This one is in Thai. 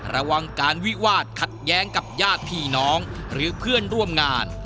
ระวังการวิวาดขัดแย้งกับญาติพี่น้องหรือเพื่อนร่วมงาน